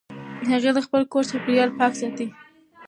هغې د خپل کور چاپېریال پاک ساتي.